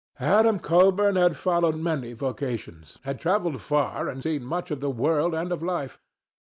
Adam Colburn had followed many vocations, had travelled far and seen much of the world and of life.